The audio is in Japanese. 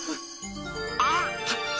あっ！